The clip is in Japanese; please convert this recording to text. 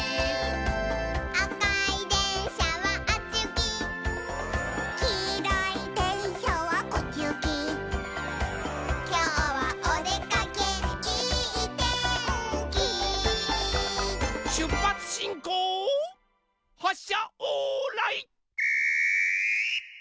「あかいでんしゃはあっちゆき」「きいろいでんしゃはこっちゆき」「きょうはおでかけいいてんき」しゅっぱつしんこうはっしゃオーライ。